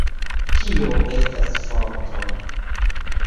Tio estas forto.